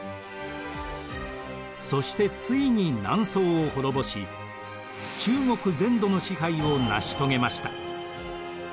そしてついに南宋を滅ぼし中国全土の支配を成し遂げました。